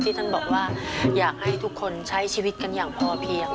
ท่านบอกว่าอยากให้ทุกคนใช้ชีวิตกันอย่างพอเพียง